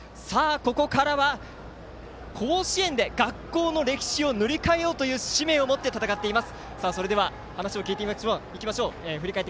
ここからは、甲子園で学校の歴史を塗り替えようという獅命をもって戦っています。